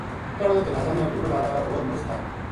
تنہاں جنازاں نا ڈھونڈن ہالاں ہور مچ تھا۔